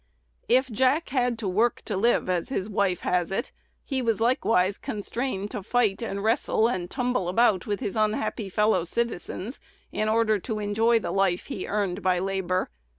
If Jack had "to work to live," as his wife has it, he was likewise constrained to fight and wrestle and tumble about with his unhappy fellow citizens, in order to enjoy the life he earned by labor.